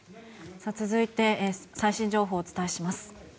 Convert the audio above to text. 続いて、最新情報をお伝えします。